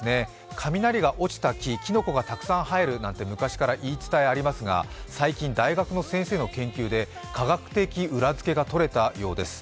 雷が落ちた木、きのこがたくさん生えるなんて昔から言い伝えがありますが、最近大学の先生の研究で、科学的裏付けが取れたようです。